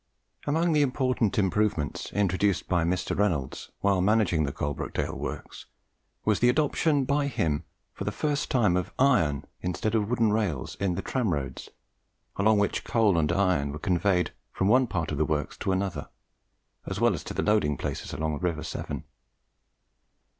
Among the important improvements introduced by Mr. Reynolds while managing the Coalbrookdale Works, was the adoption by him for the first time of iron instead of wooden rails in the tram roads along which coal and iron were conveyed from one part of the works to another, as well as to the loading places along the river Severn.